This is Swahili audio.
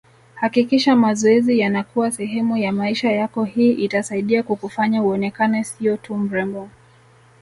Hakikisha mazoezi yanakuwa sehemu ya maisha yako hii itasaidia kukufanya uonekane siyo tu mrembo